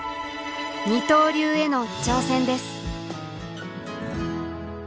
「二刀流」への挑戦です。